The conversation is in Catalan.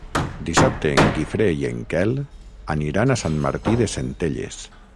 Dissabte en Guifré i en Quel aniran a Sant Martí de Centelles.